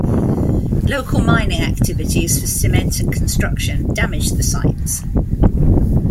Local mining activities for cement and construction damage the sites.